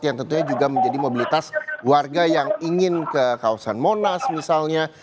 yang tentunya juga menjadi mobilitas warga yang ingin ke kawasan monas misalnya